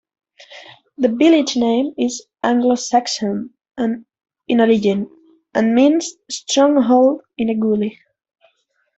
The village name is Anglo Saxon in origin, and means 'stronghold in a gully'.